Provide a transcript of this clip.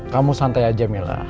kamu santai aja mila